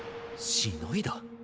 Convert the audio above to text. しのいだ？